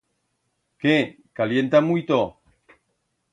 Qué, calienta muito?